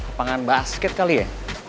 kepangan basket kali ya